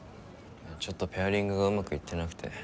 ちょっとペアリングがうまくいってなくて。